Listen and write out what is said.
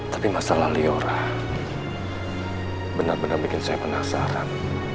tapi masalah liora benar benar bikin saya penasaran